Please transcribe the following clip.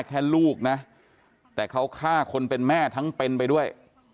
แค่ลูกนะแต่เขาฆ่าคนเป็นแม่ทั้งเป็นไปด้วย